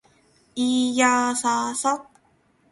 いーやーさーさ